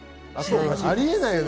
ありえないよね。